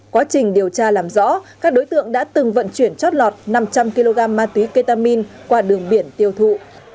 quá trình điều tra làm rõ các đối tượng đã từng vận chuyển chót lọt năm trăm linh kg ma túy ketamin qua đường biển tiêu thụ